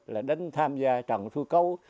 là đánh tham gia trận xui cấu